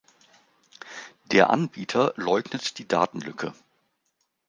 Der Anbieter leugnet die Datenlücke.